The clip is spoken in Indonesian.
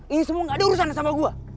ini semua gak ada urusan sama gue